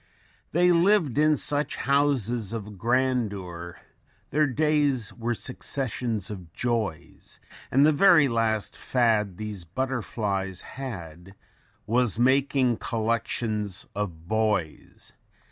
They lived in such houses of grandeur, Their days were successions of joys, And the very last fad these butterflies had WAS MAKING COLLECTIONS OF BOYS.